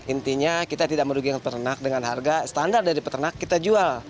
intinya kita tidak merugikan peternak dengan harga standar dari peternak kita jual